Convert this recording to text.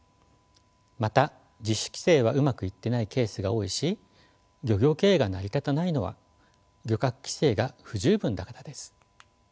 また自主規制はうまくいってないケースが多いし漁業経営が成り立たないのは漁獲規制が不十分だからです。